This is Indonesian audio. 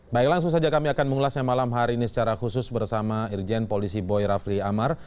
baik langsung saja kami akan mengulasnya malam hari ini secara khusus bersama irjen polisi boy rafli amar